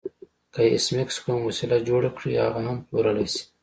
که ایس میکس کومه وسیله جوړه کړي هغه هم پلورلی شي